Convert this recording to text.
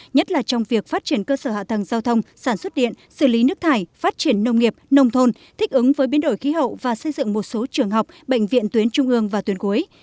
nhất là trong việc phát triển cơ sở hạ tầng giao thông sản xuất điện xử lý nước thải phát triển nông nghiệp nông thôn thích ứng với biến đổi khí hậu và xây dựng một số trường học bệnh viện tuyến trung ương và tuyến cuối